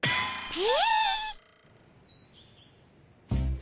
ピ。